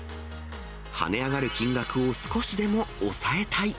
跳ね上がる金額を少しでも抑えたい。